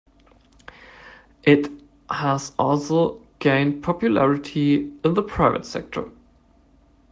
It has also gained popularity in the private sector.